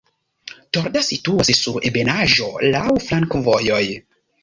Torda situas sur ebenaĵo, laŭ flankovojoj.